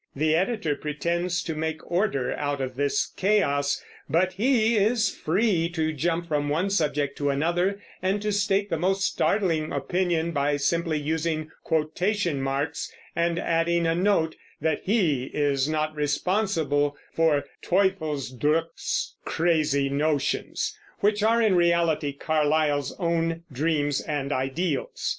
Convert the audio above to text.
The editor pretends to make order out of this chaos; but he is free to jump from one subject to another and to state the most startling opinion by simply using quotation marks and adding a note that he is not responsible for Teufelsdroeckh's crazy notions, which are in reality Carlyle's own dreams and ideals.